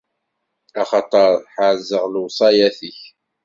Axaṭer ḥerrzeɣ lewṣayat-ik.